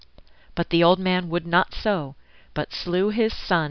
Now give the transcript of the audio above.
But the old man would not so, but slew his son.